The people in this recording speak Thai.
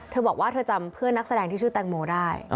เธอบอกว่าเธอจำเพื่อนนักแสดงที่ชื่อแตงโมได้